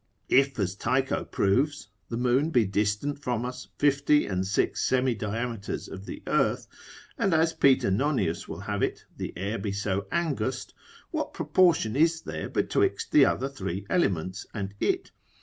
If, as Tycho proves, the moon be distant from us fifty and sixty semi diameters of the earth: and as Peter Nonius will have it, the air be so angust, what proportion is there betwixt the other three elements and it?